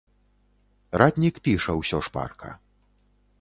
Ратнік піша усё шпарка.